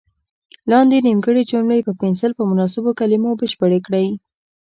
لاندې نیمګړې جملې په پنسل په مناسبو کلمو بشپړې کړئ.